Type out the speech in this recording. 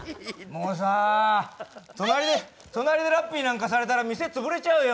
もうさ、隣でラッピーなんかされたら店、潰れちゃうよ。